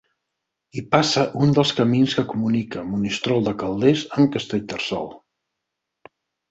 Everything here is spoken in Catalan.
Hi passa un dels camins que comunica Monistrol de Calders amb Castellterçol.